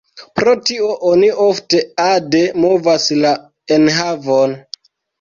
Pro tio oni ofte ade movas la enhavon.